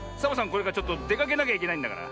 これからちょっとでかけなきゃいけないんだから。